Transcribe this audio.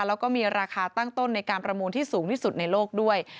แล้วก็มีราคาตั้งต้นในการประมูลที่สูงที่สุดในโลกด้วย